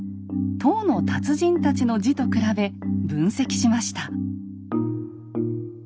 唐の達人たちの字と比べ分析しました。